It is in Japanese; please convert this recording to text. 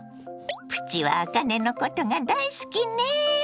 プチはあかねのことが大好きね。